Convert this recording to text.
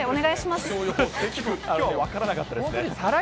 きょうは分からなかったですね。